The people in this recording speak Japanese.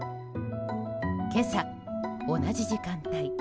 今朝、同じ時間帯。